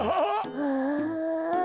ああ。